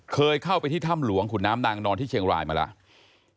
เคยเข้าไปที่ถ้ำหลวงขุนน้ำนางนอนที่เชียงรายมาแล้ว